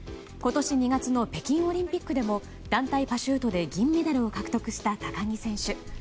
今年２月の北京オリンピックでも団体パシュートで銀メダルを獲得した高木選手。